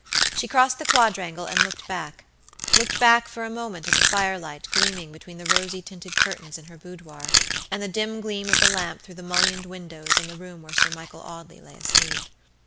She crossed the quadrangle and looked backlooked back for a moment at the firelight gleaming between the rosy tinted curtains in her boudoir, and the dim gleam of the lamp through the mullioned windows in the room where Sir Michael Audley lay asleep.